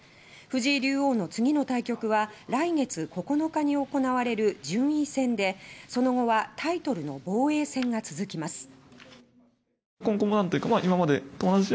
藤井竜王の次の対局は来月９日に行われる順位戦でその後はタイトルの防衛戦が続きます。